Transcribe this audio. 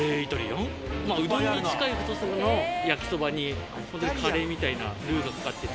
うどんに近い太さの焼きそばにカレーみたいなルウがかかってて。